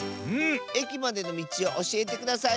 えきまでのみちをおしえてください。